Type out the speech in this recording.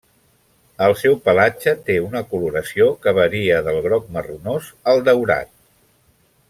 El seu pelatge té una coloració que varia del groc marronós al daurat.